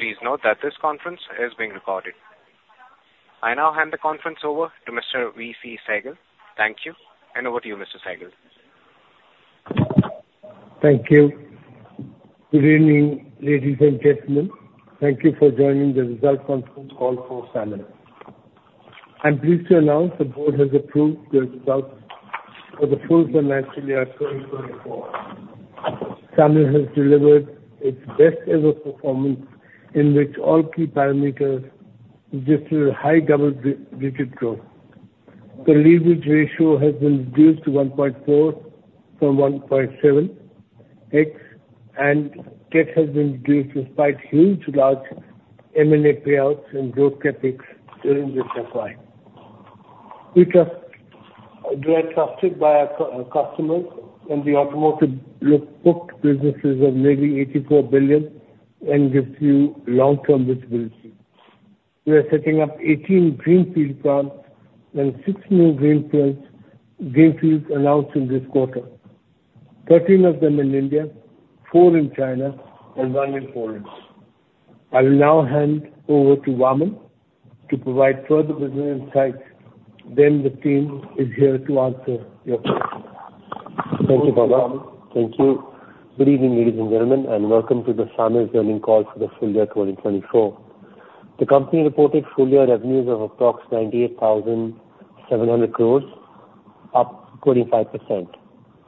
Please note that this conference is being recorded. I now hand the conference over to Mr. VC Sehgal. Thank you, and over to you, Mr. Sehgal. Thank you. Good evening, ladies and gentlemen. Thank you for joining the results conference call for Motherson. I'm pleased to announce the board has approved the results for the full year, naturally, 2024. Motherson has delivered its best ever performance, in which all key parameters just high double-digit growth. The leverage ratio has been reduced to 1.4 from 1.7x, and debt has been reduced despite huge large M&A payouts and growth CapEx during this FY. We trust, we are trusted by our customers, and the automotive booked businesses of nearly 84 billion gives you long-term visibility. We are setting up 18 greenfield plants and six new greenfields announced in this quarter, 13 of them in India, four in China and 1 in Poland. I will now hand over to Vaaman to provide further business insights. Then the team is here to answer your questions. Thank you, Vaaman. Thank you. Good evening, ladies and gentlemen, and welcome to the Motherson's earnings call for the full year 2024. The company reported full year revenues of approximately 98,700 crore, up 45%.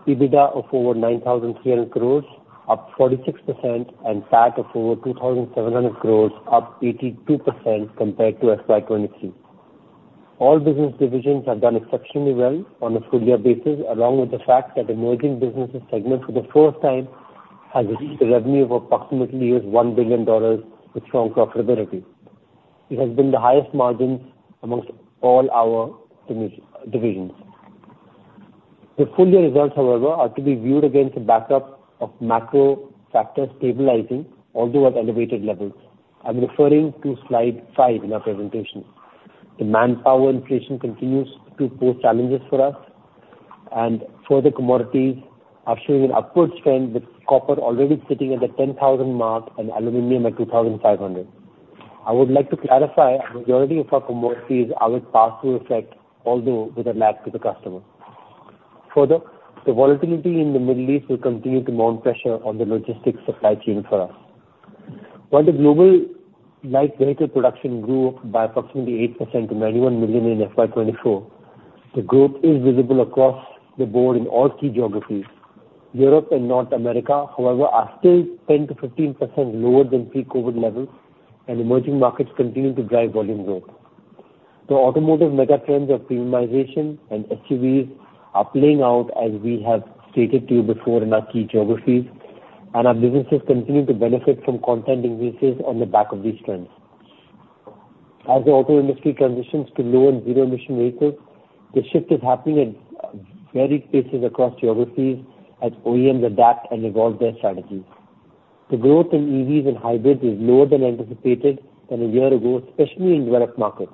EBITDA of over 9,300 crore, up 46%, and PAT of over 2,700 crore, up 82% compared to FY 2023. All business divisions have done exceptionally well on a full year basis, along with the fact that emerging businesses segment for the first time has reached a revenue of approximately $1 billion with strong profitability. It has been the highest margins amongst all our division, divisions. The full year results, however, are to be viewed against a backdrop of macro factors stabilizing, although at elevated levels. I'm referring to slide 5 in our presentation. The manpower inflation continues to pose challenges for us, and further commodities are showing an upward trend, with copper already sitting at the $10,000 mark and aluminum at $2,500. I would like to clarify, a majority of our commodities are with pass-through effect, although with a lag to the customer. Further, the volatility in the Middle East will continue to mount pressure on the logistics supply chain for us. While the global light vehicle production grew by approximately 8% to 91 million in FY 2024, the growth is visible across the board in all key geographies. Europe and North America, however, are still 10%-15% lower than pre-COVID levels, and emerging markets continue to drive volume growth. The automotive mega trends of premiumization and SUVs are playing out as we have stated to you before in our key geographies, and our businesses continue to benefit from content increases on the back of these trends. As the auto industry transitions to low and zero emission vehicles, the shift is happening at varied paces across geographies as OEMs adapt and evolve their strategies. The growth in EVs and hybrids is lower than anticipated a year ago, especially in developed markets.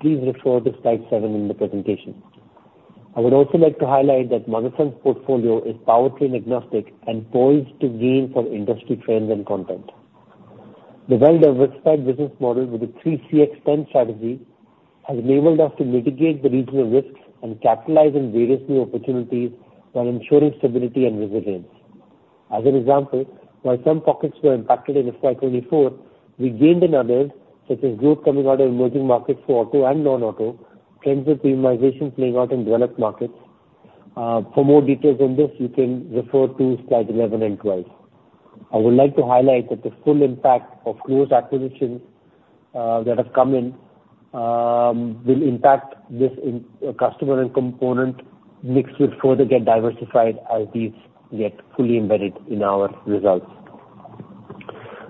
Please refer to slide seven in the presentation. I would also like to highlight that Motherson's portfolio is powertrain agnostic and poised to gain from industry trends and content. The well-diversified business model with the 3CX10 strategy has enabled us to mitigate the regional risks and capitalize on various new opportunities while ensuring stability and resilience. As an example, while some pockets were impacted in FY 2024, we gained in others, such as growth coming out of emerging markets for auto and non-auto, trends of premiumization playing out in developed markets. For more details on this, you can refer to slide 11 and 12. I would like to highlight that the full impact of growth acquisitions, that have come in, will impact this in, customer and component mix will further get diversified as these get fully embedded in our results.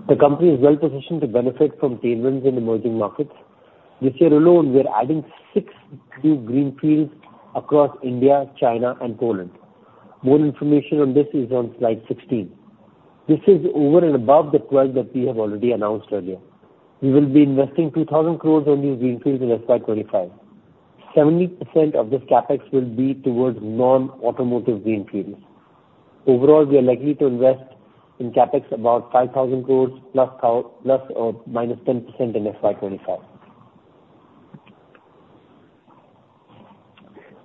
The company is well positioned to benefit from tailwinds in emerging markets. This year alone, we are adding six new greenfields across India, China and Poland. More information on this is on slide 16. This is over and above the 12 that we have already announced earlier. We will be investing 2,000 crore on these greenfields in FY 2025. 70% of this CapEx will be towards non-automotive greenfields. Overall, we are likely to invest in CapEx about 5,000 crore ±10% in FY 2025.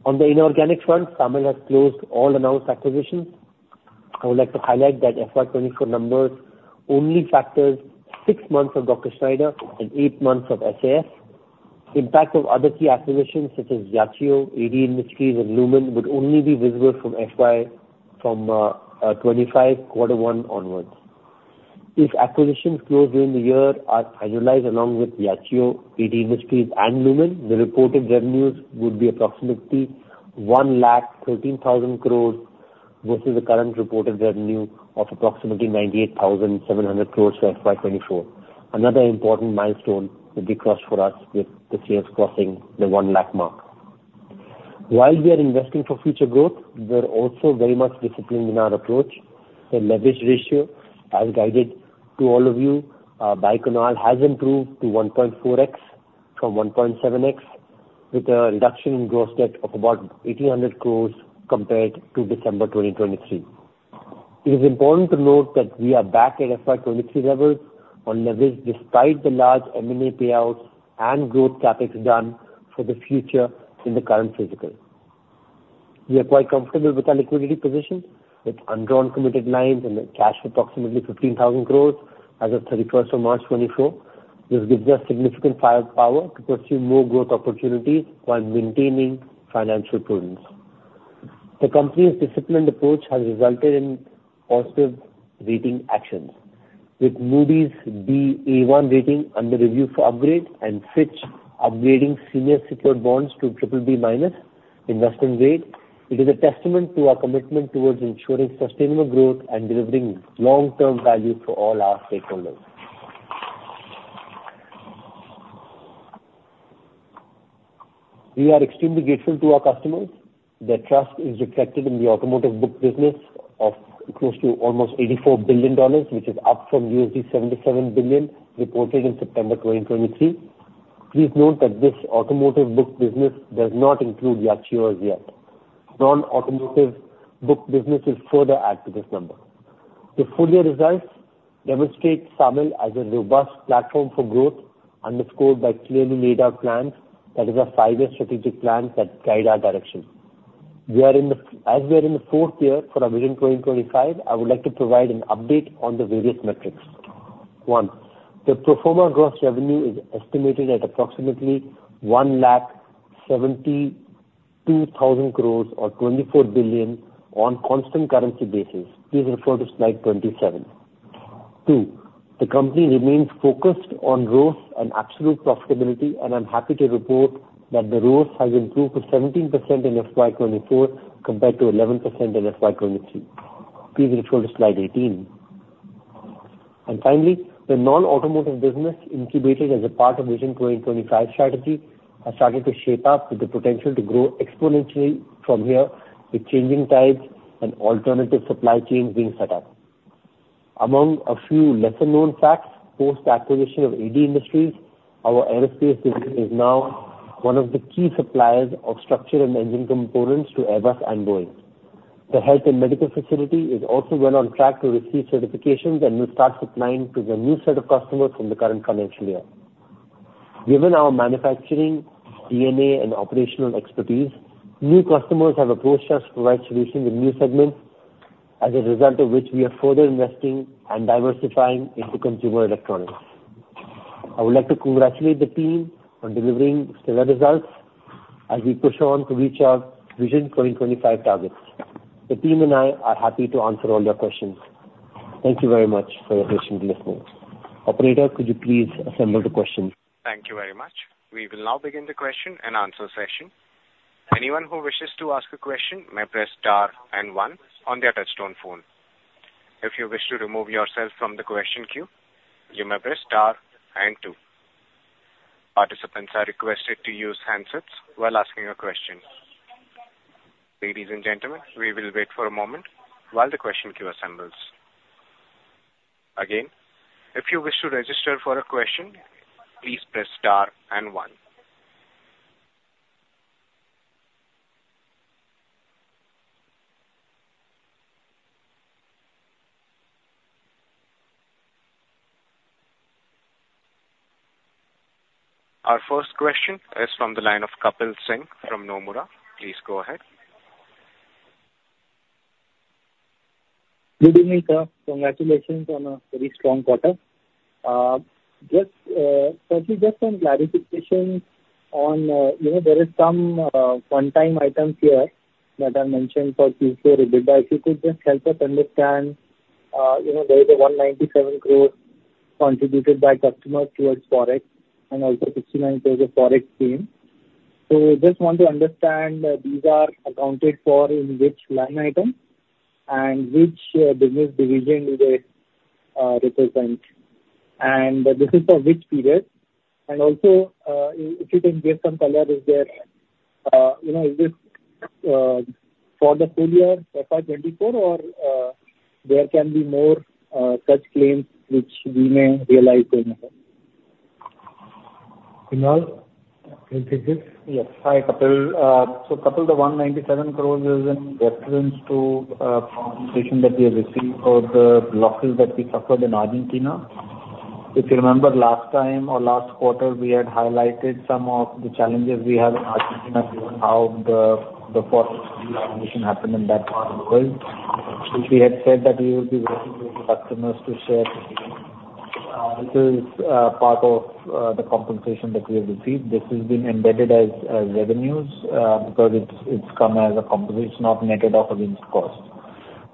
On the inorganic front, Motherson has closed all announced acquisitions. I would like to highlight that FY 2024 numbers only factors six months of Dräxlmaier and eight months of SAF. Impact of other key acquisitions such as Yachiyo, AD Industries and Lumen would only be visible from FY 2025, quarter one onwards. If acquisitions closed during the year are finalized along with Yachiyo, AD Industries and Lumen, the reported revenues would be approximately 113,000 crore, versus the current reported revenue of approximately 98,700 crore for FY 2024. Another important milestone will be crossed for us with the sales crossing the 1 lakh mark. While we are investing for future growth, we're also very much disciplined in our approach. The leverage ratio, as guided to all of you, by Kunal, has improved to 1.4x from 1.7x, with a reduction in gross debt of about 1,800 crore compared to December 2023. It is important to note that we are back at FY 2023 levels on leverage, despite the large M&A payouts and growth CapEx done for the future in the current fiscal. We are quite comfortable with our liquidity position, with undrawn committed lines and the cash approximately 15,000 crore as of 31st March 2024. This gives us significant firepower, power to pursue more growth opportunities while maintaining financial prudence. The company's disciplined approach has resulted in positive rating actions, with Moody's Ba1 rating under review for upgrade and Fitch upgrading senior secured bonds to triple B minus investment rate. It is a testament to our commitment towards ensuring sustainable growth and delivering long-term value for all our stakeholders. We are extremely grateful to our customers. Their trust is reflected in the automotive booked business of close to almost $84 billion, which is up from $77 billion reported in September 2023. Please note that this automotive booked business does not include Yachiyo as yet. Non-automotive booked business will further add to this number. The full year results demonstrate Motherson as a robust platform for growth, underscored by clearly laid out plans. That is a five-year strategic plan that guide our direction. As we are in the fourth year for our Vision 2025, I would like to provide an update on the various metrics. One, the pro forma gross revenue is estimated at approximately 172,000 crore or $24 billion on constant currency basis. Please refer to slide 27. Two, the company remains focused on growth and absolute profitability, and I'm happy to report that the growth has improved to 17% in FY 2024 compared to 11% in FY 2023. Please refer to slide 18. Finally, the non-automotive business, incubated as a part of Vision 2025 strategy, has started to shape up with the potential to grow exponentially from here, with changing tides and alternative supply chains being set up. Among a few lesser-known facts, post the acquisition of AD Industries, our aerospace division is now one of the key suppliers of structure and engine components to Airbus and Boeing. The health and medical facility is also well on track to receive certifications and will start supplying to a new set of customers in the current financial year. Given our manufacturing, DNA, and operational expertise, new customers have approached us to provide solutions in new segments, as a result of which we are further investing and diversifying into consumer electronics. I would like to congratulate the team on delivering stellar results as we push on to reach our Vision 2025 targets. The team and I are happy to answer all your questions. Thank you very much for your attention, dear folks. Operator, could you please assemble the questions? Thank you very much. We will now begin the question and answer session. Anyone who wishes to ask a question may press star and one on their touchtone phone. If you wish to remove yourself from the question queue, you may press star and two. Participants are requested to use handsets while asking a question. Ladies and gentlemen, we will wait for a moment while the question queue assembles. Again, if you wish to register for a question, please press star and one. Our first question is from the line of Kapil Singh from Nomura. Please go ahead. Good evening, sir. Congratulations on a very strong quarter. Just, firstly, just some clarification on, you know, there is some one-time items here that are mentioned for Q4 EBITDA. If you could just help us understand, you know, there is a 197 crore contributed by customers towards Forex and also 69 crore Forex claim. So just want to understand, these are accounted for in which line item and which business division do they represent, and this is for which period? And also, if you can give some color, is there... You know, is this for the full year FY 2024, or there can be more such claims which we may realize going ahead? Kunal, can you take this? Yes. Hi, Kapil. So Kapil, the 197 crore is in reference to compensation that we have received for the losses that we suffered in Argentina. If you remember last time or last quarter, we had highlighted some of the challenges we had in Argentina, given how the forex devaluation happened in that part of the world. We had said that we will be working with the customers to share this is part of the compensation that we have received. This has been embedded as revenues because it's come as a compensation of netted off against cost.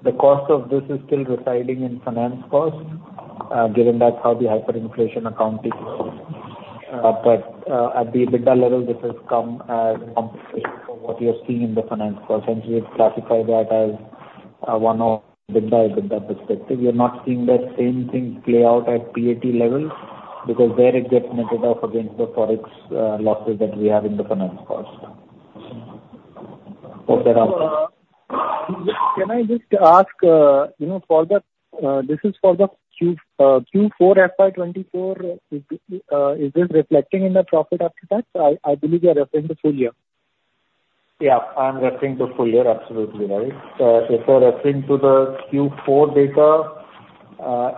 The cost of this is still residing in finance costs given that's how the hyperinflation account is. But at the EBITDA level, this has come as compensation for what you're seeing in the finance cost, and we've classified that as from an EBITDA perspective. We are not seeing that same thing play out at PAT levels, because there it gets netted off against the Forex losses that we have in the finance cost.... Can I just ask, you know, this is for the Q4 FY 2024, is this reflecting in the profit after tax? I believe you are referring to full year. Yeah, I'm referring to full year, absolutely right. If you're referring to the Q4 data,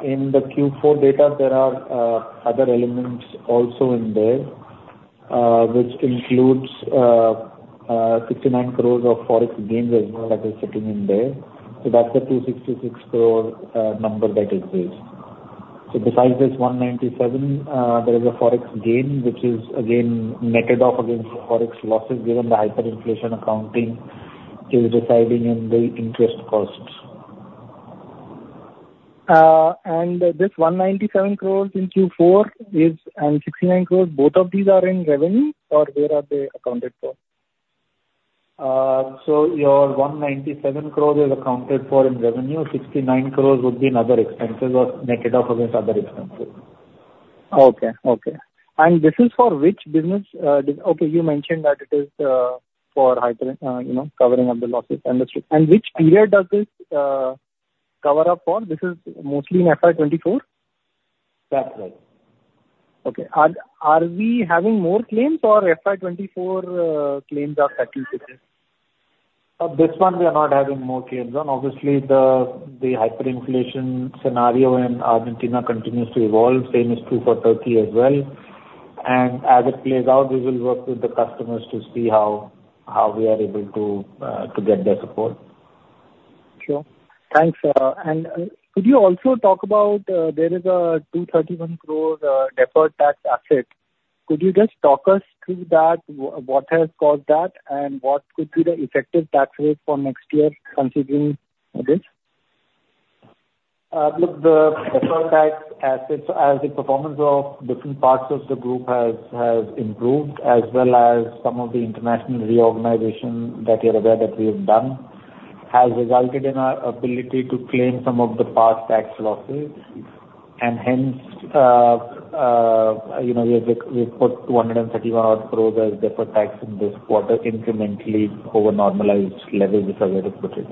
in the Q4 data, there are other elements also in there, which includes 69 crore of ForEx gains as well that is sitting in there. So that's the 266 crore number that is there. So besides this 197 crore, there is a ForEx gain, which is again netted off against ForEx losses given the hyperinflation accounting is residing in the interest costs. This 197 crore in Q4 is, and 69 crore, both of these are in revenue? Or where are they accounted for? Your 197 crore is accounted for in revenue. 69 crore would be in other expenses or netted off against other expenses. Okay. Okay. And this is for which business? Okay, you mentioned that it is for hyperinflation, you know, covering up the losses and the Street. And which period does this cover up for? This is mostly in FY 2024? That's right. Okay. Are, are we having more claims, or FY 24 claims are settled with this? This one we are not having more claims on. Obviously, the hyperinflation scenario in Argentina continues to evolve. Same is true for Turkey as well. And as it plays out, we will work with the customers to see how we are able to get their support. Sure. Thanks. And, could you also talk about, there is 231 crore deferred tax asset. Could you just talk us through that? What has caused that, and what could be the effective tax rate for next year considering this? Look, the deferred tax assets, as the performance of different parts of the group has improved, as well as some of the international reorganization that you're aware that we have done, has resulted in our ability to claim some of the past tax losses. And hence, you know, we put 131 crore as deferred tax in this quarter, incrementally over normalized levels as I were to put it.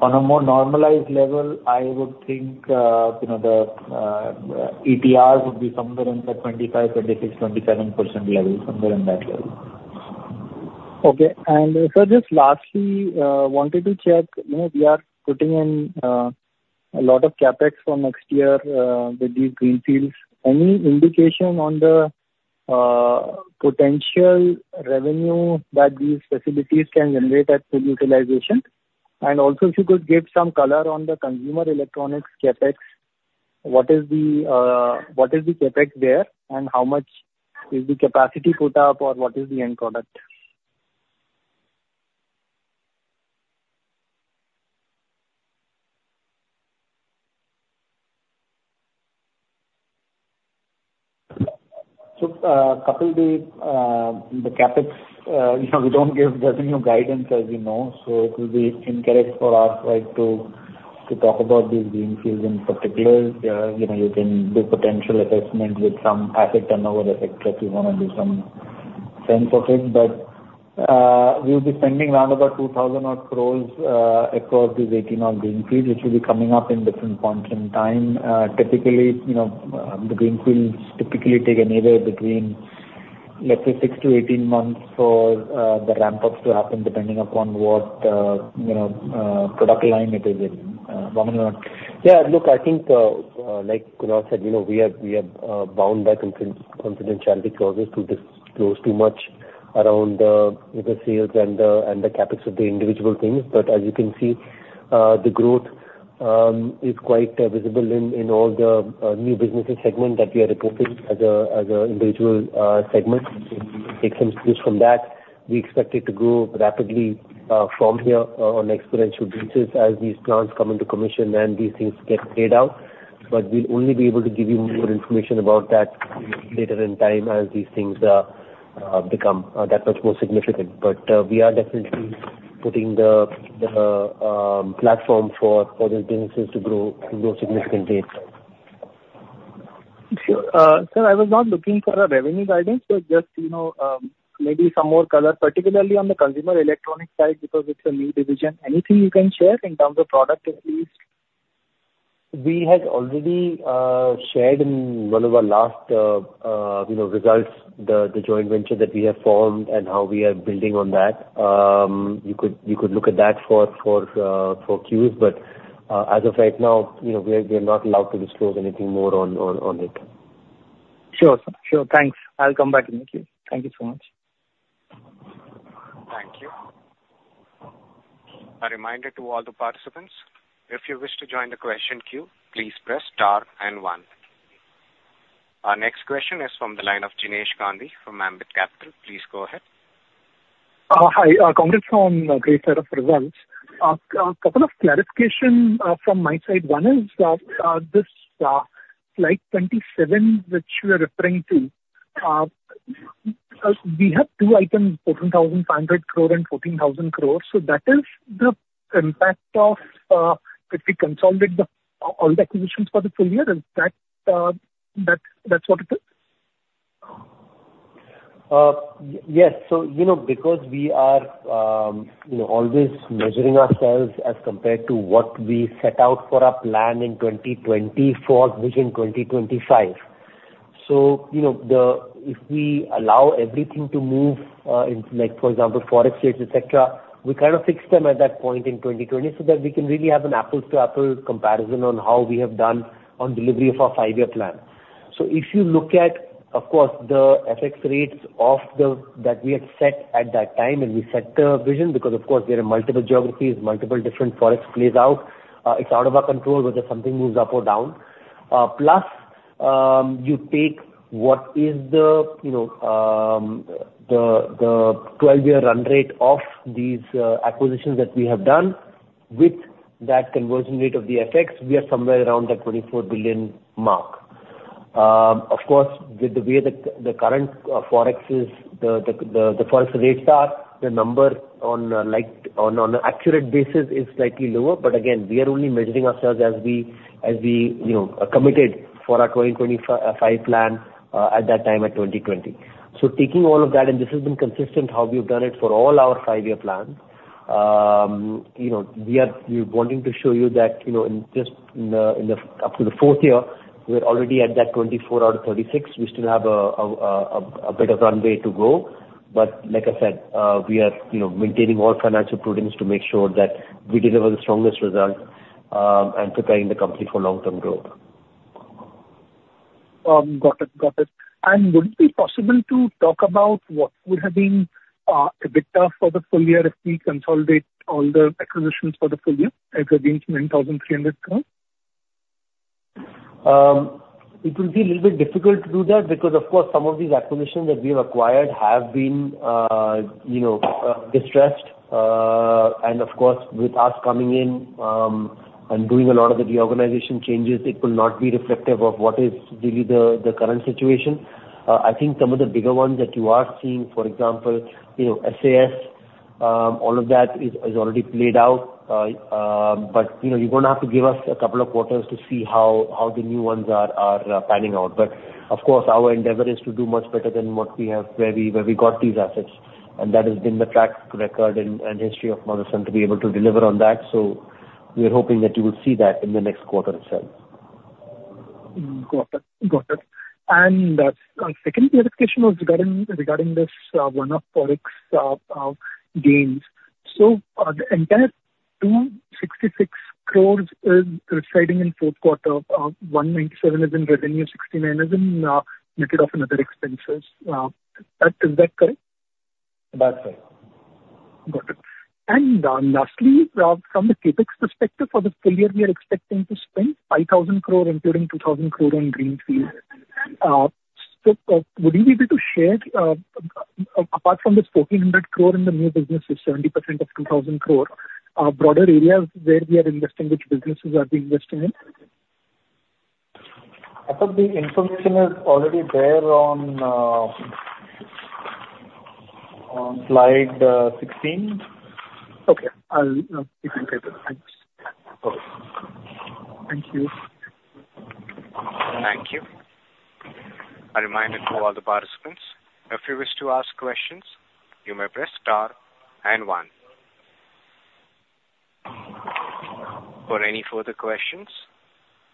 On a more normalized level, I would think, you know, the ETR would be somewhere in the 25%-27% level, somewhere in that level. Okay. And, sir, just lastly, wanted to check, you know, we are putting in a lot of CapEx for next year with these greenfields. Any indication on the potential revenue that these facilities can generate at full utilization? And also, if you could give some color on the consumer electronics CapEx, what is the CapEx there, and how much is the capacity put up, or what is the end product? Kapil, the CapEx, you know, we don't give revenue guidance, as you know, so it will be incorrect for us, like, to talk about these greenfields in particular. You know, you can do potential assessment with some asset turnover effect, if you wanna do some sense of it. But, we'll be spending around about 2,000 odd crore across these 18 odd greenfields, which will be coming up in different points in time. Typically, you know, the greenfields typically take anywhere between, let's say, 6-18 months for the ramp-ups to happen, depending upon what you know product line it is in, one way or another. Yeah, look, I think, like Kunal said, you know, we are bound by confidentiality clauses to disclose too much around, you know, the sales and the CapEx of the individual things. But as you can see, the growth is quite visible in all the new businesses segment that we are reporting as an individual segment. You can take some clues from that. We expect it to grow rapidly from here on exponential basis as these plants come into commission and these things get played out. But we'll only be able to give you more information about that later in time as these things become that much more significant. But we are definitely putting the platform for these businesses to grow significantly. Sure. Sir, I was not looking for a revenue guidance, but just, you know, maybe some more color, particularly on the consumer electronics side, because it's a new division. Anything you can share in terms of product at least? We had already shared in one of our last, you know, results, the joint venture that we have formed and how we are building on that. You could look at that for cues, but as of right now, you know, we are not allowed to disclose anything more on it. Sure. Sure, thanks. I'll come back to you. Thank you so much. Thank you. A reminder to all the participants, if you wish to join the question queue, please press star and one. Our next question is from the line of Jinesh Gandhi from Ambit Capital. Please go ahead. Hi, congrats on a great set of results. A couple of clarification from my side. One is, this slide 27 which you are referring to, we have two items, 14,500 crore and 14,000 crore, so that is the impact of, if we consolidate all the acquisitions for the full year, is that that's what it is?... Yes. So, you know, because we are, you know, always measuring ourselves as compared to what we set out for our plan in 2020 for Vision 2025. So, you know, if we allow everything to move, in, like, for example, Forex rates, et cetera, we kind of fix them at that point in 2020 so that we can really have an apples-to-apples comparison on how we have done on delivery of our five-year plan. So if you look at, of course, the FX rates that we had set at that time, and we set the vision because, of course, there are multiple geographies, multiple different Forex plays out. It's out of our control, whether something moves up or down. Plus, you take what is the, you know, the 12-year run rate of these acquisitions that we have done. With that conversion rate of the FX, we are somewhere around the $24 billion mark. Of course, with the way the current Forex is, the Forex rates are, the number on, like, on an accurate basis is slightly lower. But again, we are only measuring ourselves as we, you know, are committed for our 2025 plan, at that time, at 2020. So taking all of that, and this has been consistent, how we've done it for all our five-year plan, you know, we are wanting to show you that, you know, in just up to the fourth year, we are already at that 24 out of 36. We still have a better runway to go. But like I said, we are, you know, maintaining all financial prudence to make sure that we deliver the strongest results, and preparing the company for long-term growth. Got it. Got it. And would it be possible to talk about what would have been EBITDA for the full year if we consolidate all the acquisitions for the full year, as it being some 9,300 crore? It will be a little bit difficult to do that because, of course, some of these acquisitions that we have acquired have been, you know, and of course, with us coming in, and doing a lot of the reorganization changes, it will not be reflective of what is really the current situation. I think some of the bigger ones that you are seeing, for example, you know, SAS, all of that is already played out. But, you know, you're gonna have to give us a couple of quarters to see how the new ones are panning out. But of course, our endeavor is to do much better than what we have, where we got these assets, and that has been the track record and history of Motherson to be able to deliver on that. So we are hoping that you will see that in the next quarter itself. Got it. Got it. And my second clarification was regarding this one-off Forex gains. So the entire 266 crore is residing in fourth quarter, 197 crore is in revenue, 69 crore is in net of other expenses. That, is that correct? That's right. Got it. Lastly, from the CapEx perspective, for this full year, we are expecting to spend 5,000 crore, including 2,000 crore in greenfield. Would you be able to share, apart from this 1,400 crore in the new business, is 70% of 2,000 crore, broader areas where we are investing, which businesses are we investing in? I think the information is already there on slide 16. Okay. I'll look at it. Thanks. Okay. Thank you. Thank you. A reminder to all the participants, if you wish to ask questions, you may press star and one. For any further questions,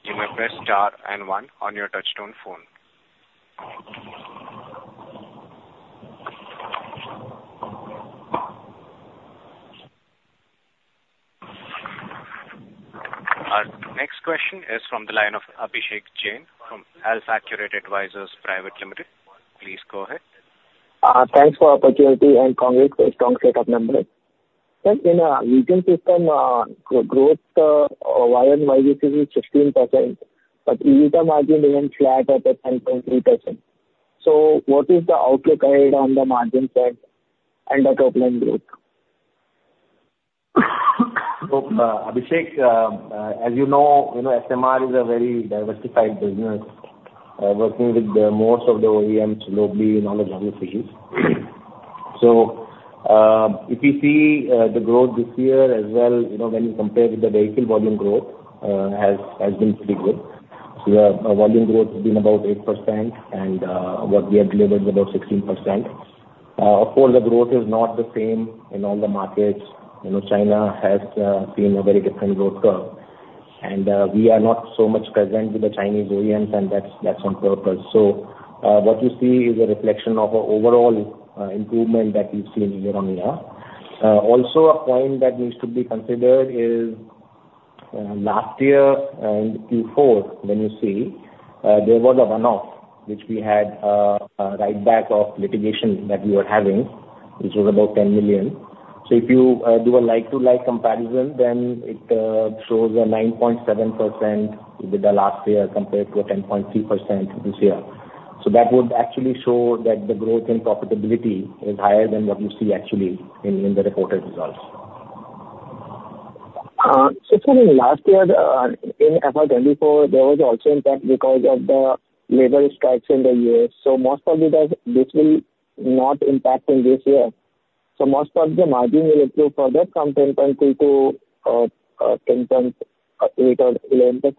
you may press star and one on your touchtone phone. Our next question is from the line of Abhishek Jain from AlfAccurate Advisors Private Limited. Please go ahead. Thanks for the opportunity, and congrats for a strong set of numbers. Then in regional segment growth year-over-year basis is 16%, but EBITDA margin even flat at a 10.3%. So what is the outlook ahead on the margin side and the top-line growth? So, Abhishek, as you know, you know, SMR is a very diversified business, working with most of the OEMs globally in all the geographies. So, if you see, the growth this year as well, you know, when you compare with the vehicle volume growth, has been pretty good. So yeah, our volume growth has been about 8%, and what we have delivered is about 16%. Of course, the growth is not the same in all the markets. You know, China has seen a very different growth curve, and we are not so much present with the Chinese OEMs, and that's on purpose. So, what you see is a reflection of an overall improvement that we've seen year-on-year. Also a point that needs to be considered is, last year, in Q4, when you see, there was a one-off, which we had, a write back of litigation that we were having, which was about $10 million. So if you, do a like-to-like comparison, then it, shows a 9.7% with the last year, compared to a 10.3% this year. So that would actually show that the growth in profitability is higher than what you see actually in the reported results. So sorry, last year, in FY 2024, there was also impact because of the labor strikes in the U.S. So most probably, this will not impact in this year? So most of the margin will improve further from 10.3% to 10.8% or 11%?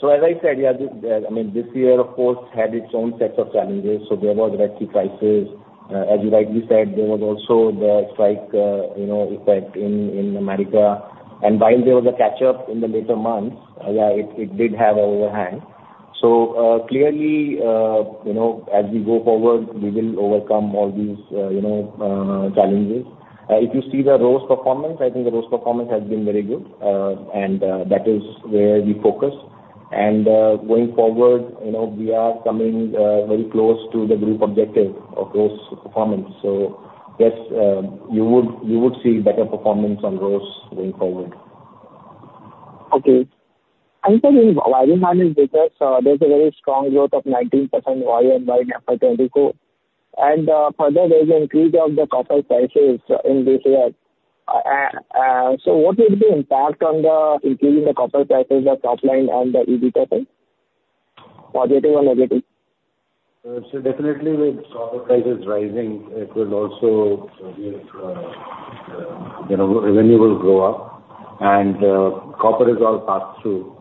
So as I said, yeah, this, I mean, this year, of course, had its own sets of challenges, so there was Red Sea crisis. As you rightly said, there was also the strike, you know, effect in America. And while there was a catch-up in the later months, yeah, it did have a overhang. So, clearly, you know, as we go forward, we will overcome all these, you know, challenges. If you see the ROCE performance, I think the ROCE performance has been very good. And, that is where we focus. And, going forward, you know, we are coming, very close to the group objective of ROCE performance. So yes, you would see better performance on ROCE going forward. Okay. And sir, in wiring harness business, there's a very strong growth of 19% year-on-year in Q4 2024. And, further, there's increase of the copper prices in this year. So what will be the impact on the increase in the copper prices, the top line and the EBITDA? Positive or negative? So definitely with copper prices rising, it will also, you know, revenue will go up and copper is all passed through,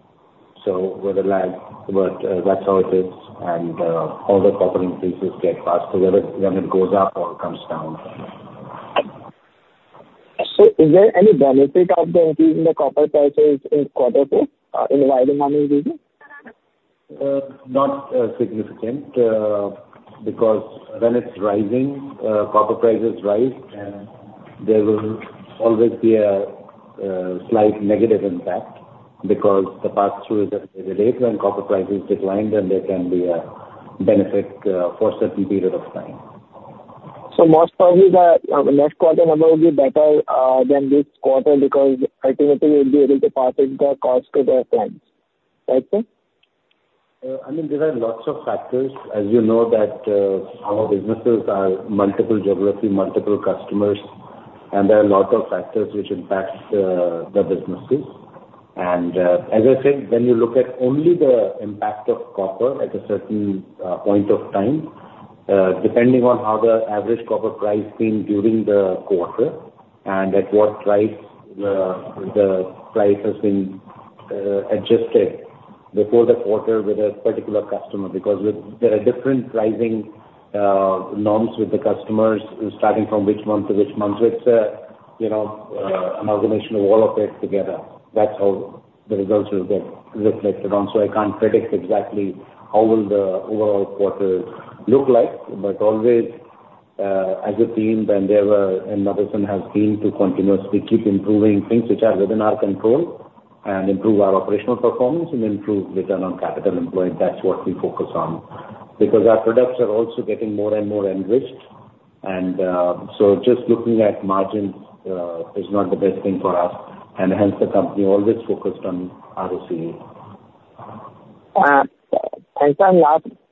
so with a lag, but that's how it is. And all the copper increases get passed through, whether when it goes up or comes down. So, is there any benefit of the increase in the copper prices in Quarter Two in wiring harness business? Not significant, because when it's rising, copper prices rise, and there will always be a slight negative impact because the pass-through is at a later when copper prices decline, then there can be a benefit for a certain period of time. So most probably the next quarter number will be better than this quarter, because ultimately we'll be able to pass the cost to the clients. Right, sir? I mean, there are lots of factors, as you know, that our businesses are multiple geography, multiple customers, and there are a lot of factors which impact the businesses. And, as I said, when you look at only the impact of copper at a certain point of time, depending on how the average copper price been during the quarter and at what price the price has been adjusted before the quarter with a particular customer. Because with... there are different pricing norms with the customers, starting from which month to which month. So it's a, you know, an aggregation of all of it together. That's how the results will get reflected on. I can't predict exactly how will the overall quarter look like, but always, as a team, Motherson has been to continuously keep improving things which are within our control and improve our operational performance and improve return on capital employed. That's what we focus on. Because our products are also getting more and more enriched, and, so just looking at margins, is not the best thing for us, and hence, the company always focused on ROCE. Sir,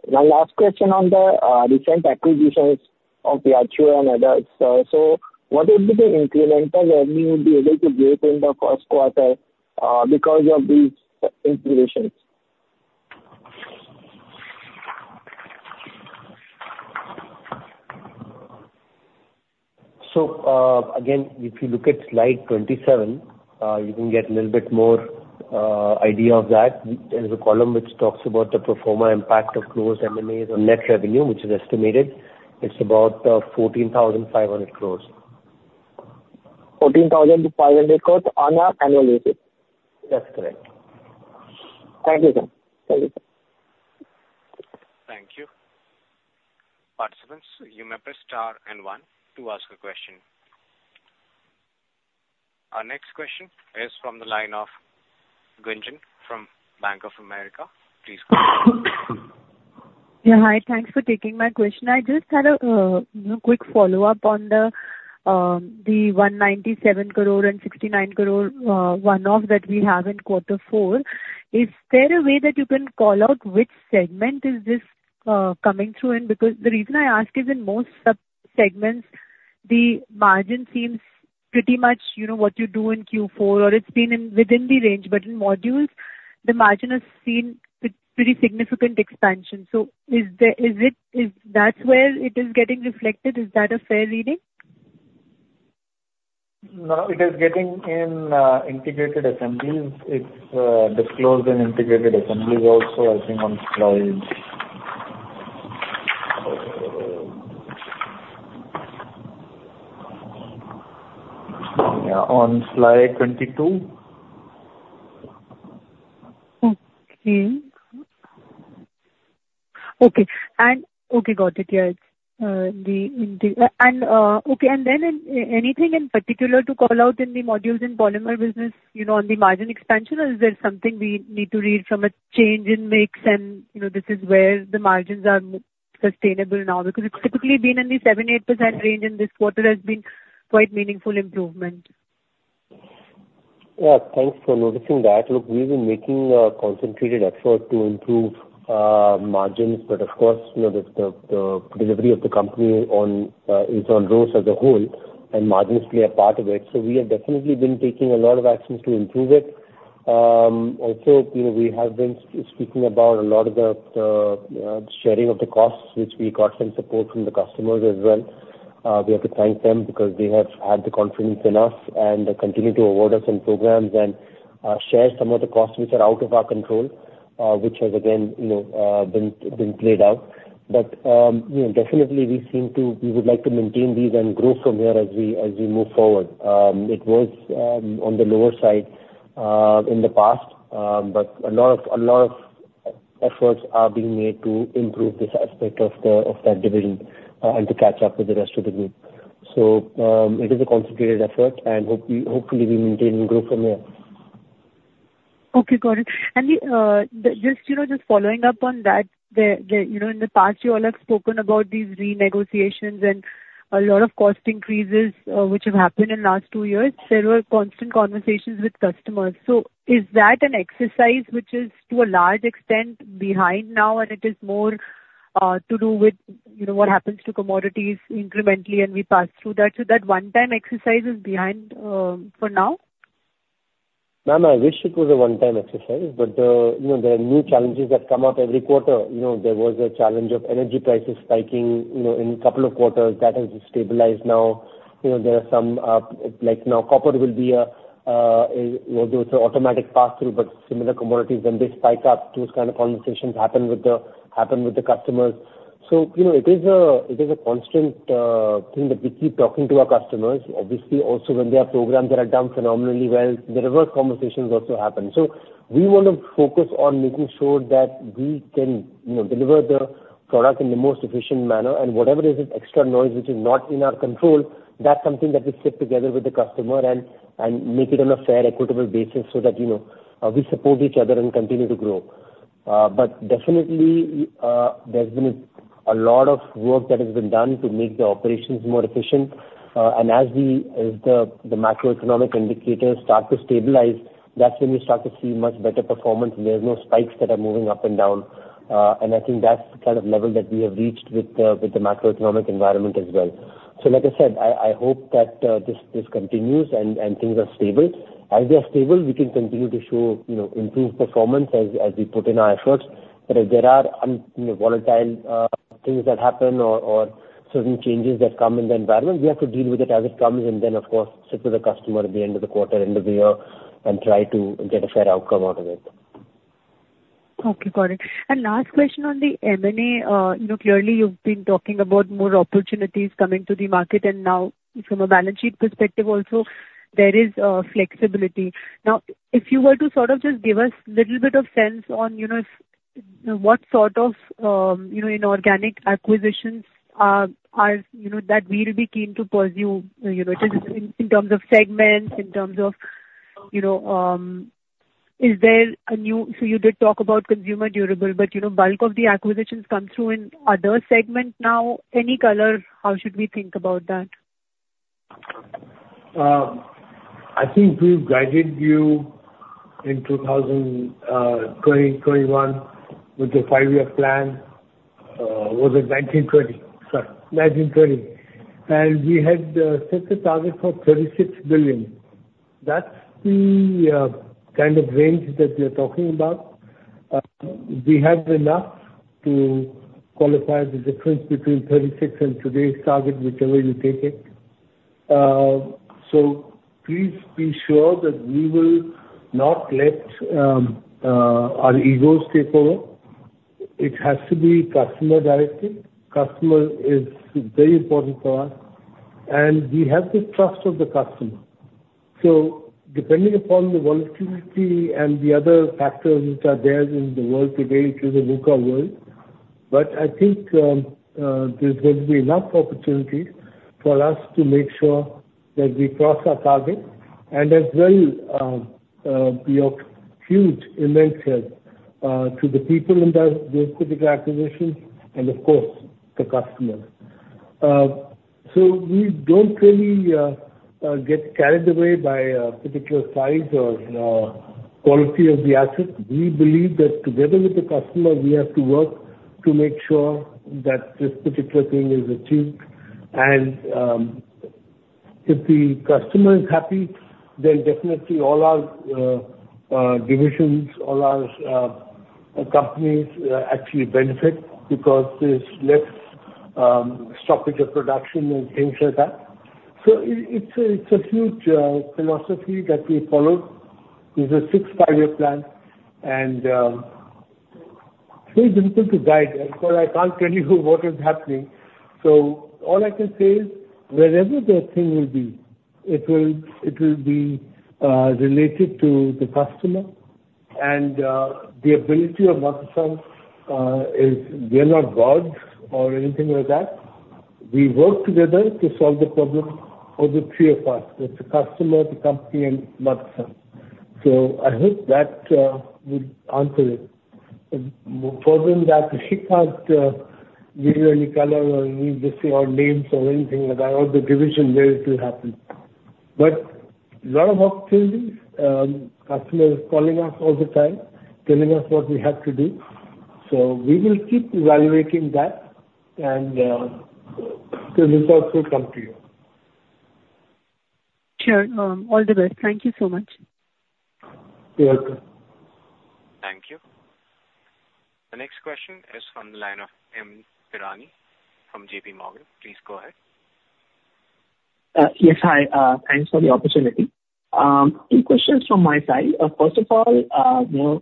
my last question on the recent acquisitions of the Yachiyo and others. So, what would be the incremental revenue you would be able to get in the first quarter because of these acquisitions? Again, if you look at slide 27, you can get a little bit more idea of that. There's a column which talks about the pro forma impact of growth, M&As on net revenue, which is estimated. It's about 14,500 crore. 14,500 crore on an annual basis? That's correct. Thank you, sir. Thank you. Thank you. Participants, you may press star and one to ask a question. Our next question is from the line of Gunjan from Bank of America. Please go ahead. Yeah, hi. Thanks for taking my question. I just had a quick follow-up on the 197 crore and 69 crore one-off that we have in quarter 4. Is there a way that you can call out which segment is this coming through in? Because the reason I ask is, in most sub-segments, the margin seems pretty much, you know, what you do in Q4, or it's been within the range, but in modules, the margin has seen pretty significant expansion. So, is that where it is getting reflected? Is that a fair reading? No, it is getting in integrated assemblies. It's disclosed in integrated assemblies also, I think on slide... Yeah, on slide 22. Okay. Okay, and okay, got it. Yeah, it's. Okay, and then in anything in particular to call out in the modules in polymer business, you know, on the margin expansion, or is there something we need to read from a change in mix, and, you know, this is where the margins are sustainable now? Because it's typically been in the 7%-8% range, and this quarter has been quite meaningful improvement. Yeah, thanks for noticing that. Look, we've been making a concentrated effort to improve margins, but of course, you know, the delivery of the company on is on growth as a whole, and margins play a part of it. So we have definitely been taking a lot of actions to improve it. Also, you know, we have been speaking about a lot about sharing of the costs, which we got some support from the customers as well. We have to thank them because they have had the confidence in us and continue to award us some programs and share some of the costs which are out of our control, which has again, you know, been played out. But, you know, definitely we seem to, we would like to maintain these and grow from here as we, as we move forward. It was on the lower side in the past, but a lot of, a lot of efforts are being made to improve this aspect of the, of that division, and to catch up with the rest of the group. So, it is a concentrated effort, and hopefully, we maintain and grow from there. Okay, got it. And just, you know, just following up on that, you know, in the past, you all have spoken about these renegotiations and a lot of cost increases, which have happened in last two years. There were constant conversations with customers. So is that an exercise which is, to a large extent, behind now, and it is more, to do with, you know, what happens to commodities incrementally, and we pass through that, so that one-time exercise is behind, for now? Ma'am, I wish it was a one-time exercise, but, you know, there are new challenges that come out every quarter. You know, there was a challenge of energy prices spiking, you know, in couple of quarters. That has stabilized now. You know, there are some, like now, copper will be a, you know, there's an automatic pass-through, but similar commodities, when they spike up, those kind of conversations happen with the, happen with the customers. So, you know, it is a, it is a constant, thing that we keep talking to our customers. Obviously, also, when there are programs that are done phenomenally well, the reverse conversations also happen. So we want to focus on making sure that we can, you know, deliver the product in the most efficient manner, and whatever is extra noise which is not in our control, that's something that we sit together with the customer and, and make it on a fair, equitable basis so that, you know, we support each other and continue to grow. But definitely, there's been a lot of work that has been done to make the operations more efficient. And as we, as the, the macroeconomic indicators start to stabilize, that's when you start to see much better performance, and there are no spikes that are moving up and down. And I think that's the kind of level that we have reached with the, with the macroeconomic environment as well. So like I said, I hope that this continues and things are stable. As they are stable, we can continue to show, you know, improved performance as we put in our efforts. But if there are you know, volatile things that happen or certain changes that come in the environment, we have to deal with it as it comes, and then, of course, sit with the customer at the end of the quarter, end of the year, and try to get a fair outcome out of it. Okay, got it. And last question on the M&A. You know, clearly you've been talking about more opportunities coming to the market, and now from a balance sheet perspective also, there is flexibility. Now, if you were to sort of just give us little bit of sense on, you know, what sort of inorganic acquisitions are that we'll be keen to pursue, you know, just in terms of segments, in terms of, you know... So you did talk about consumer durable, but, you know, bulk of the acquisitions come through in other segments now. Any color, how should we think about that? I think we guided you in 2021 with the five-year plan. Was it 2020? Sorry, 2020. We had set a target for $36 billion. That's the kind of range that we are talking about. We have enough to qualify the difference between 36 and today's target, whichever you take it. So please be sure that we will not let our egos take over. It has to be customer-directed. Customer is very important for us, and we have the trust of the customer. So depending upon the volatility and the other factors which are there in the world today, it is a VUCA world, but I think, there's going to be enough opportunities for us to make sure that we cross our target, and as well, be of huge, immense help, to the people in those particular acquisitions and of course, the customers. So we don't really, get carried away by, particular size or, you know, quality of the assets. We believe that together with the customer, we have to work to make sure that this particular thing is achieved. And, if the customer is happy, then definitely all our, divisions, all our, companies, actually benefit because there's less, stoppage of production and things like that. So it's a huge philosophy that we follow. This is sixth five-year plan, and it's very difficult to guide, so I can't tell you what is happening. So all I can say is, wherever the thing will be, it will, it will be related to the customer. And the ability of Motherson is we are not gods or anything like that. We work together to solve the problems for the three of us: the customer, the company, and Motherson. So I hope that would answer it. Further than that, we can't give any color or give you our names or anything like that, or the division where it will happen. But a lot of activities, customers calling us all the time, telling us what we have to do, so we will keep evaluating that, and the results will come to you. ... Sure, all the best. Thank you so much. You're welcome. Thank you. The next question is from the line of M. Pirani from J.P. Morgan. Please go ahead. Yes, hi. Thanks for the opportunity. Two questions from my side. First of all, you know,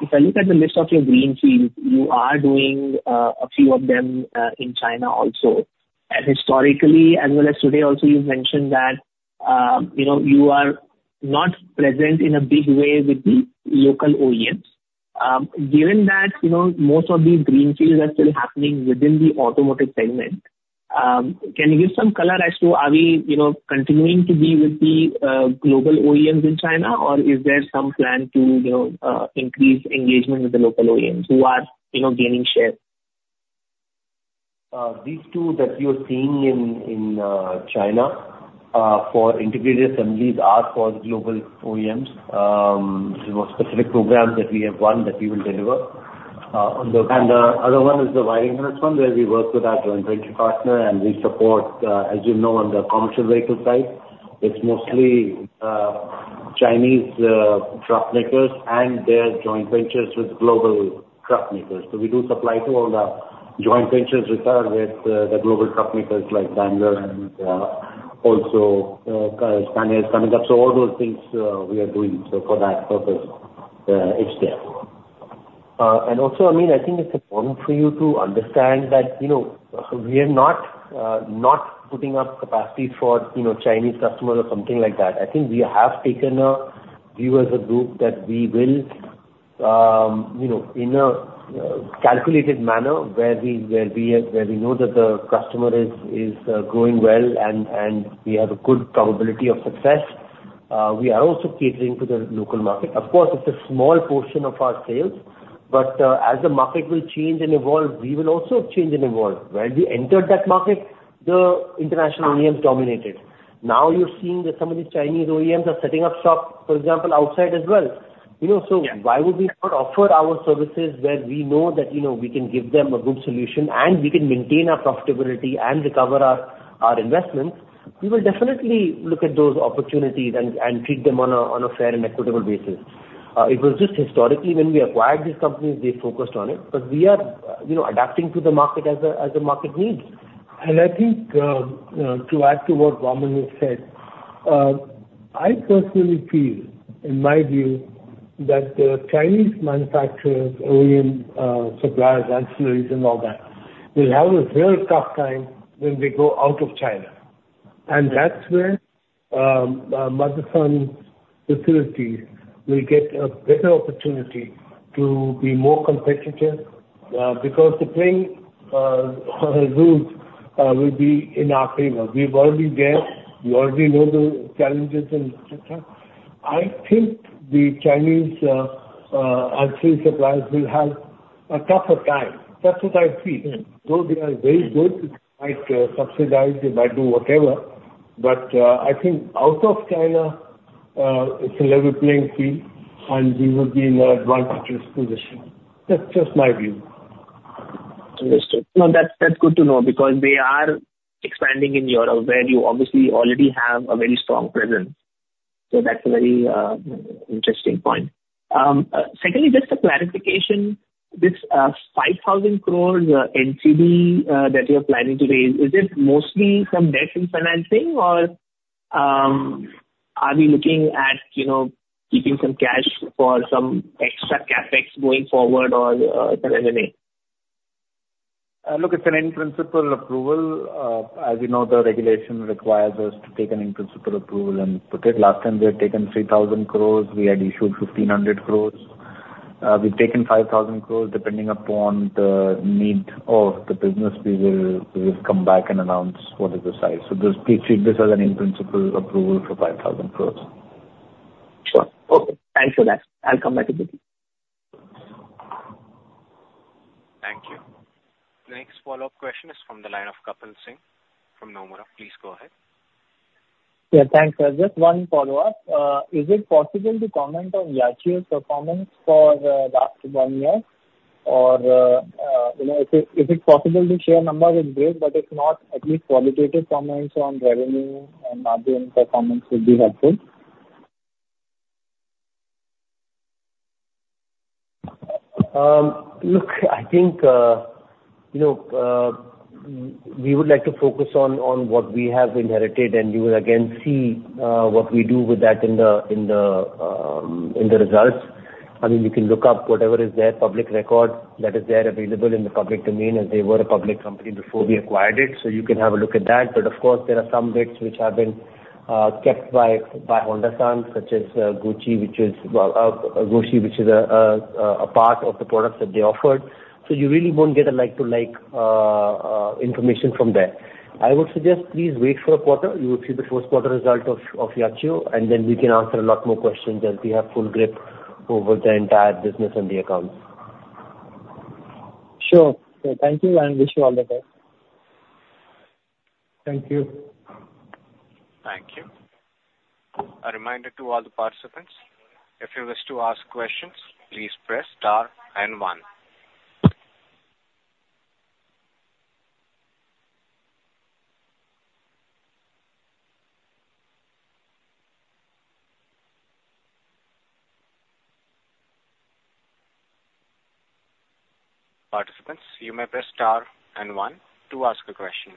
if I look at the list of your greenfields, you are doing a few of them in China also. And historically, as well as today also, you've mentioned that, you know, you are not present in a big way with the local OEMs. Given that, you know, most of these greenfields are still happening within the automotive segment, can you give some color as to are we, you know, continuing to be with the global OEMs in China, or is there some plan to, you know, increase engagement with the local OEMs who are, you know, gaining share? These two that you're seeing in China for integrated assemblies are for the global OEMs. These are specific programs that we have won, that we will deliver. On the- And the other one is the wiring harness one, where we work with our joint venture partner and we support, as you know, on the commercial vehicle side. It's mostly Chinese truck makers and their joint ventures with global truck makers. So we do supply to all the joint ventures with the global truck makers like Daimler and also Scania is coming up. So all those things we are doing, so for that purpose it's there. And also, I mean, I think it's important for you to understand that, you know, we are not, not putting up capacity for, you know, Chinese customers or something like that. I think we have taken a view as a group that we will, you know, in a, calculated manner, where we are, where we know that the customer is growing well and we have a good probability of success. We are also catering to the local market. Of course, it's a small portion of our sales, but, as the market will change and evolve, we will also change and evolve. When we entered that market, the international OEMs dominated. Now you're seeing that some of these Chinese OEMs are setting up shop, for example, outside as well. You know, so- Yeah. Why would we not offer our services where we know that, you know, we can give them a good solution, and we can maintain our profitability and recover our investments? We will definitely look at those opportunities and treat them on a fair and equitable basis. It was just historically, when we acquired these companies, we focused on it, but we are, you know, adapting to the market as the market needs. I think, to add to what Vaman has said, I personally feel, in my view, that the Chinese manufacturers, OEM suppliers, ancillaries and all that, will have a very tough time when they go out of China. That's where Madaan's facilities will get a better opportunity to be more competitive, because the playing rules will be in our favor. We've already been there. We already know the challenges and such things. I think the Chinese ancillary suppliers will have a tougher time. That's what I feel. Mm-hmm. Though they are very good, they might subsidize, they might do whatever, but I think out of China, it's a level playing field, and we would be in an advantageous position. That's just my view. Understood. No, that's, that's good to know, because they are expanding in Europe, where you obviously already have a very strong presence. So that's a very, interesting point. Secondly, just a clarification. This, five thousand crores, NCD, that you're planning to raise, is it mostly some debt and financing or, are we looking at, you know, keeping some cash for some extra CapEx going forward or, some M&A? Look, it's an in principle approval. As you know, the regulation requires us to take an in principle approval and put it. Last time we had taken 3,000 crore, we had issued 1,500 crore. We've taken 5,000 crore. Depending upon the need of the business, we will, we will come back and announce what is the size. So just please treat this as an in principle approval for 5,000 crore. Sure. Okay, thanks for that. I'll come back if needed. Thank you. The next follow-up question is from the line of Kapil Singh from Nomura. Please go ahead. Yeah, thanks. Just one follow-up. Is it possible to comment on Yachiyo's performance for last one year? Or, you know, if it, if it's possible to share numbers, it's great, but if not, at least qualitative comments on revenue and margin performance would be helpful. Look, I think, you know, we would like to focus on what we have inherited, and you will again see what we do with that in the results. I mean, you can look up whatever is there, public record that is there available in the public domain, as they were a public company before we acquired it, so you can have a look at that. But of course, there are some bits which have been kept by Honda San, such as Gucci, which is, well, Gucci, which is a part of the products that they offered. So you really won't get a like-to-like information from there. I would suggest please wait for a quarter. You will see the first quarter result of Yachiyo, and then we can answer a lot more questions, as we have full grip over the entire business and the accounts. Sure. Thank you, and wish you all the best. Thank you. Thank you. A reminder to all the participants, if you wish to ask questions, please press star and one. Participants, you may press star and one to ask a question.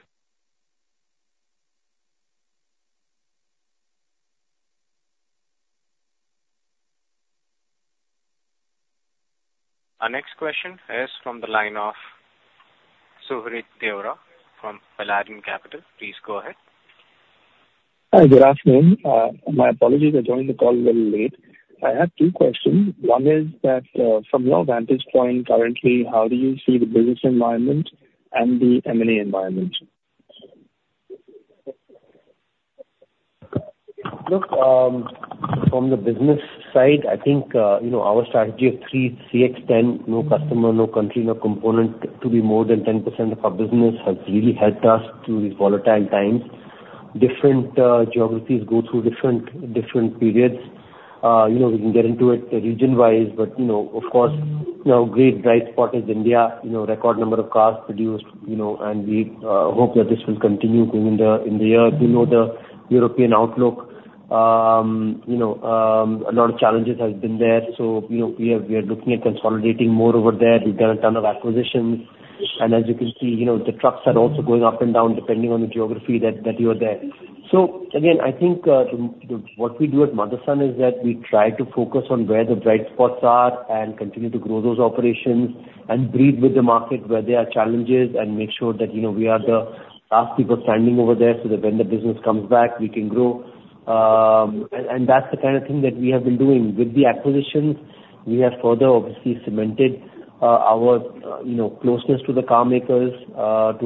Our next question is from the line of Suhrid Deorah from Paladin Capital. Please go ahead. Hi, good afternoon. My apologies, I joined the call a little late. I have two questions. One is that, from your vantage point currently, how do you see the business environment and the M&A environment? Look, from the business side, I think, you know, our strategy of 3CX10, no customer, no country, no component to be more than 10% of our business has really helped us through these volatile times. Different geographies go through different periods. You know, we can get into it region-wise, but, you know, of course, you know, great bright spot is India, you know, record number of cars produced, you know, and we hope that this will continue in the, in the year. You know, the European outlook, you know, a lot of challenges have been there. So, you know, we are looking at consolidating more over there. We've done a ton of acquisitions, and as you can see, you know, the trucks are also going up and down, depending on the geography that you're there. So again, I think, what we do at Motherson is that we try to focus on where the bright spots are and continue to grow those operations and breathe with the market where there are challenges, and make sure that, you know, we are the last people standing over there, so that when the business comes back, we can grow. And that's the kind of thing that we have been doing. With the acquisitions, we have further obviously cemented our, you know, closeness to the car makers, to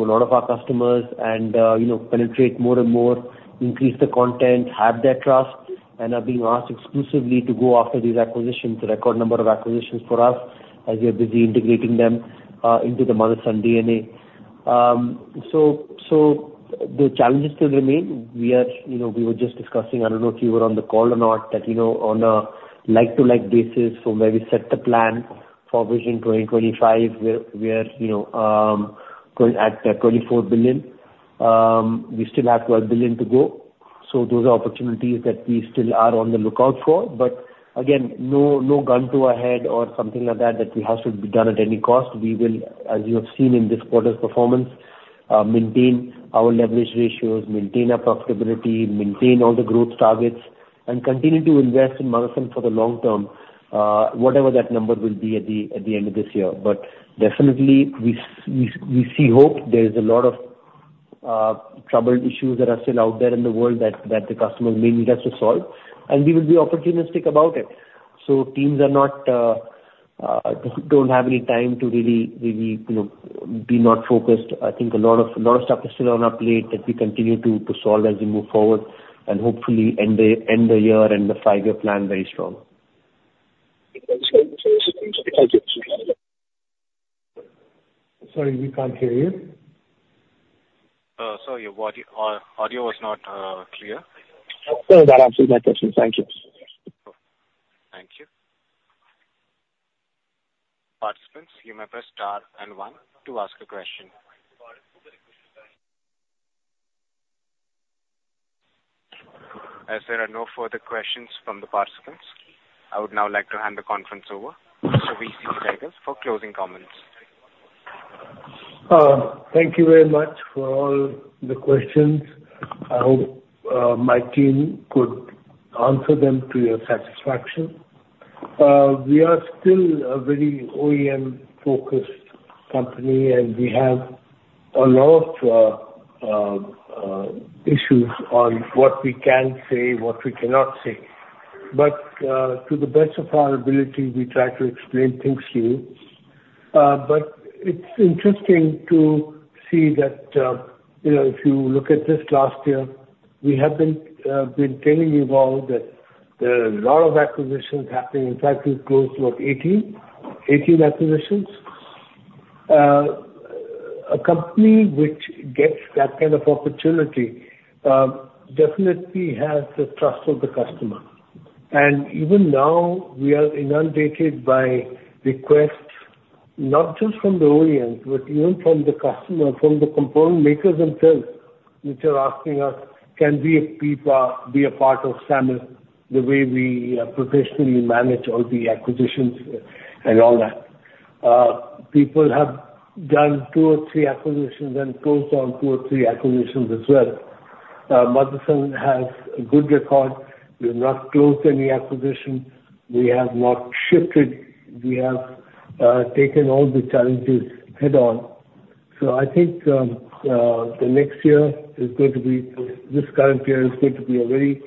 a lot of our customers and, you know, penetrate more and more, increase the content, have their trust, and are being asked exclusively to go after these acquisitions, a record number of acquisitions for us, as we are busy integrating them into the Motherson DNA. So the challenges still remain. We are, you know, we were just discussing, I don't know if you were on the call or not, that, you know, on a like-to-like basis from where we set the plan for Vision 2025, we are, we are, you know, current at $24 billion. We still have $12 billion to go. So those are opportunities that we still are on the lookout for. But again, no, no gun to our head or something like that, that we have to be done at any cost. We will, as you have seen in this quarter's performance, maintain our leverage ratios, maintain our profitability, maintain all the growth targets, and continue to invest in Motherson for the long term, whatever that number will be at the, at the end of this year. But definitely we, we see hope. There's a lot of troubled issues that are still out there in the world that the customers may need us to solve, and we will be opportunistic about it. So teams don't have any time to really, really, you know, be not focused. I think a lot of stuff is still on our plate that we continue to solve as we move forward, and hopefully end the year and the five-year plan very strong. Sorry, we can't hear you. Sorry, your audio was not clear. No, that answers my question. Thank you. Thank you. Participants, you may press star and one to ask a question. As there are no further questions from the participants, I would now like to hand the conference over to VC Sehgal for closing comments. Thank you very much for all the questions. I hope my team could answer them to your satisfaction. We are still a very OEM-focused company, and we have a lot of issues on what we can say, what we cannot say. But to the best of our ability, we try to explain things to you. But it's interesting to see that, you know, if you look at this last year, we have been telling you all that there are a lot of acquisitions happening. In fact, we're close to what? 18, 18 acquisitions. A company which gets that kind of opportunity definitely has the trust of the customer. And even now, we are inundated by requests, not just from the OEMs, but even from the customer, from the component makers themselves, which are asking us: Can we be a part of Samvardhana Motherson, the way we professionally manage all the acquisitions and all that? People have done two or three acquisitions, then closed down two or three acquisitions as well. Madhusudhan has a good record. We've not closed any acquisition. We have not shifted. We have taken all the challenges head-on. So I think the next year is going to be... This current year is going to be a very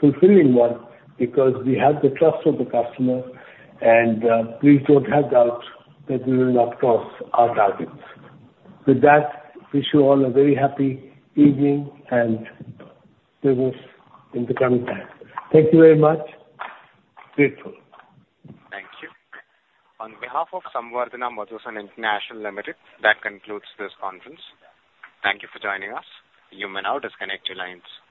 fulfilling one because we have the trust of the customer, and please don't have doubt that we will not cross our targets. With that, wish you all a very happy evening and business in the coming time. Thank you very much. Grateful. Thank you. On behalf of Samvardhana Motherson International Limited, that concludes this conference. Thank you for joining us. You may now disconnect your lines.